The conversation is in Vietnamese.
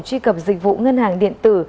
truy cập dịch vụ ngân hàng điện tử